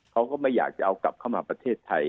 เขาก็ไม่อยากจะเอากลับเข้ามาประเทศไทย